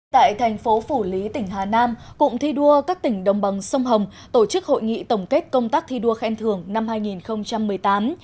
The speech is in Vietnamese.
tại thành phố phủ lý tỉnh hà nam cụm thi đua các tỉnh đồng bằng sông hồng tổ chức hội nghị tổng kết công tác thi đua khen thưởng năm hai nghìn một mươi tám